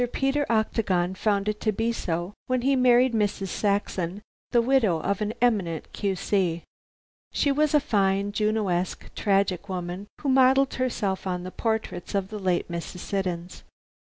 Peter Octagon found it to be so, when he married Mrs. Saxon, the widow of an eminent Q.C. She was a fine Junoesque tragic woman, who modelled herself on the portraits of the late Mrs. Siddons.